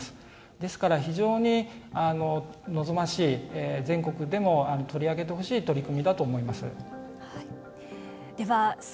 ですから、非常に望ましい全国でも取り上げてほしい取り組みだと思います。